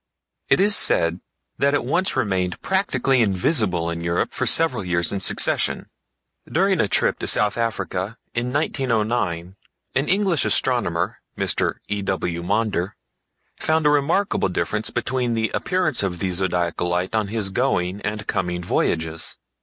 It is said that it once remained practically invisible in Europe for several years in succession. During a trip to South Africa in 1909 an English astronomer, Mr E. W. Maunder, found a remarkable difference between the appearance of the Zodiacal Light on his going and coming voyages.